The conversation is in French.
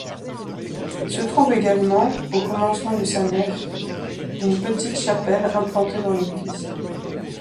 Se trouve également, au commencement de sa nef, une petite chapelle implantée dans l’église.